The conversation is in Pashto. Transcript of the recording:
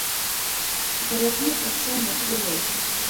ګل احمد احسان مسؤل و.